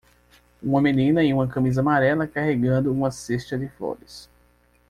Uma menina em uma camisa amarela carregando uma cesta de flores.